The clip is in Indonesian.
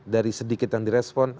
dari sedikit yang di respon